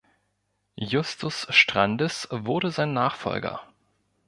Justus Strandes wurde sein Nachfolger.